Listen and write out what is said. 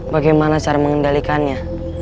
bagaimana cara mengendalikannya